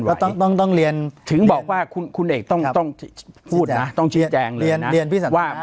ปากกับภาคภูมิ